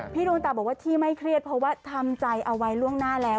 ดวงตาบอกว่าที่ไม่เครียดเพราะว่าทำใจเอาไว้ล่วงหน้าแล้ว